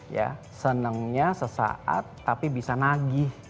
ya senangnya sesaat tapi bisa nagih